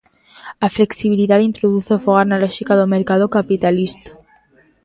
A flexibilidade introduce o fogar na lóxica do mercado capitalista.